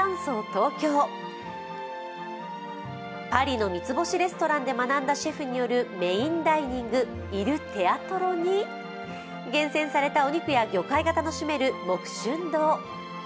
東京パリの三つ星レストランで学んだシェフによるメインダイニング、イル・テアトロに厳選されたお肉や魚介が楽しめる木春堂。